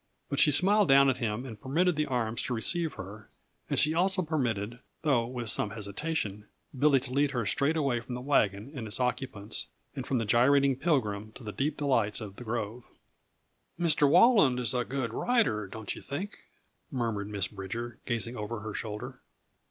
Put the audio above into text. But she smiled down at him and permitted the arms to receive her, and she also permitted though with some hesitation Billy to lead her straight away from the wagon and its occupants and from the gyrating Pilgrim to the deep delights of the grove. "Mr. Walland is a good rider, don't you think?" murmured Miss Bridger, gazing over her shoulder.